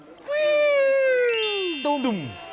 ฟวีียดุ้ม